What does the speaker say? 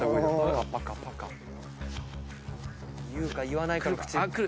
言うか言わないかの口。